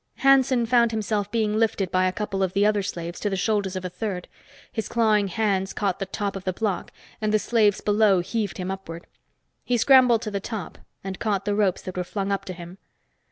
Hanson found himself being lifted by a couple of the other slaves to the shoulders of a third. His clawing hands caught the top of the block and the slaves below heaved him upward. He scrambled to the top and caught the ropes that were flung up to him.